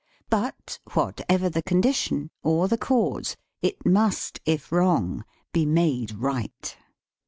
But whatever the condition or the cause, it must, if wrong, be made right.